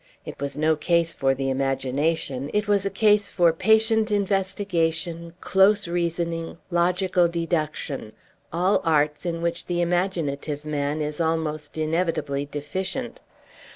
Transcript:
It was no case for the imagination. It was a case for patient investigation, close reasoning, logical deduction, all arts in which the imaginative man is almost inevitably deficient.